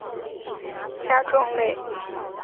装甲类之中较为著名的是甲龙亚目。